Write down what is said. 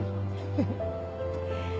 フフッ。